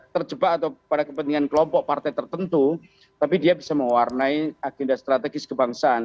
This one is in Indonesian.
terjebak atau pada kepentingan kelompok partai tertentu tapi dia bisa mewarnai agenda strategis kebangsaan